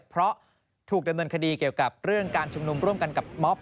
เพราะถูกดำเนินคดีเกี่ยวกับเรื่องการชุมนุมร่วมกันกับม็อบ